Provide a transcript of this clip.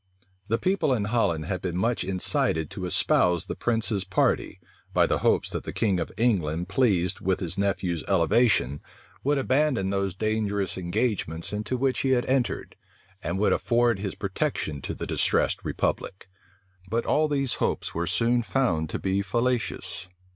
The people in Holland had been much incited to espouse the prince's party, by the hopes that the king of England pleased with his nephew's elevation, would abandon those dangerous engagements into which he had entered, and would afford his protection to the distressed republic. But all these hopes were soon found to be fallacious.